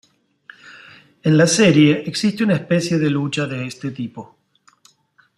En la serie existe una especie de lucha de este tipo.